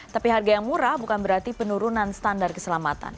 tapi harga yang murah bukan berarti penurunan standar keselamatan